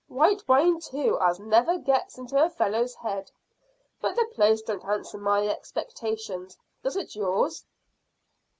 "White wine too as never gets into a fellow's head. But the place don't answer my expectations; does it yours?"